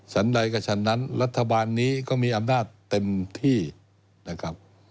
ใดกับฉันนั้นรัฐบาลนี้ก็มีอำนาจเต็มที่นะครับ